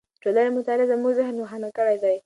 د ټولنې مطالعې زموږ ذهن روښانه کړی دی.